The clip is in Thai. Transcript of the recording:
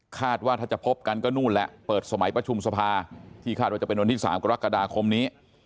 คาดว่าถ้าจะพบกันก็นู่นแหละเปิดสมัยประชุมสภาที่คาดว่าจะเป็นวันที่๓กรกฎาคมนี้